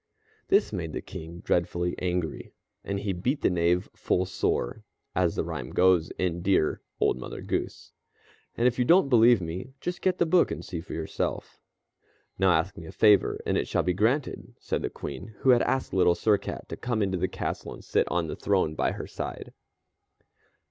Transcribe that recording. This made the King dreadfully angry, and he "beat the Knave full sore," as the rhyme goes in dear "Old Mother Goose," and if you don't believe me, just get the book and see for yourself. "Now ask me a favor, and it shall be granted," said the Queen who had asked Little Sir Cat to come into the castle and sit on the throne by her side.